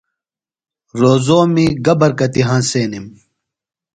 روزومی گہ برکتیۡ ہنسنِم؟ ص